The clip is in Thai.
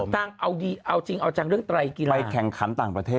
นางเอาดีเอาจริงเอาจังเรื่องไตรกีฬาไปแข่งขันต่างประเทศ